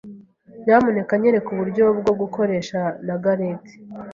Nyamuneka nyereka uburyo bwo gukoresha na gareti.